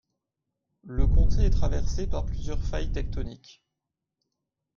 Le comté est traversé par plusieurs failles tectoniques.